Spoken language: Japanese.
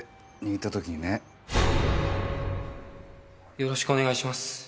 よろしくお願いします。